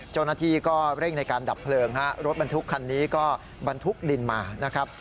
เจ้าหน้าที่ก็เร่งในการดับเพลิงฮะรถบรรทุกคันนี้ก็บรรทุกดินมานะครับ